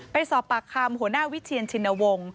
ไปสอบปากคำหัวหน้าวิเชียนชินวงศ์